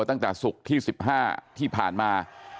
ตั้งแต่ศุกร์ที่๑๕ที่ผ่านมา